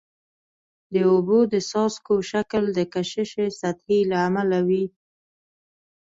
د اوبو د څاڅکو شکل د کشش سطحي له امله وي.